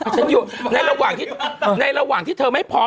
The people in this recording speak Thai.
ฉันอยู่ในระหว่างที่เธอไม่พร้อม